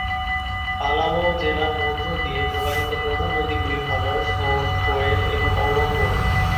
পালামৌ জেলার মধ্য দিয়ে প্রবাহিত প্রধান নদীগুলি হল সোন, কোয়েল এবং ঔরঙ্গ।